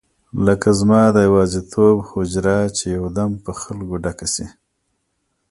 لکه زما د یوازیتوب حجره چې یو دم په خلکو ډکه شي.